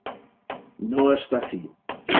No estar fi.